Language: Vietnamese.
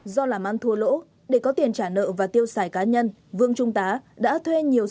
do làm ăn thua lỗ để có tiền trả nợ và tiêu xài cá nhân